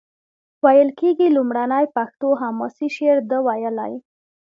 ویل کیږي لومړنی پښتو حماسي شعر ده ویلی.